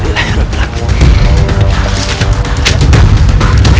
kau tidak akan gampang